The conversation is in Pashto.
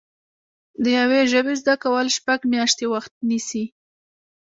د یوې ژبې زده کول شپږ میاشتې وخت نیسي